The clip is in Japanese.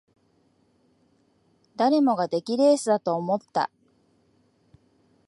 誰もが出来レースだと思った